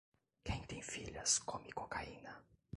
Quem tem filhas come cocaína.